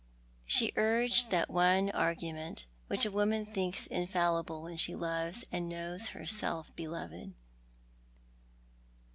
She urged that one argument Mhich a woman thinks infallible when she loves and knows herself beloved.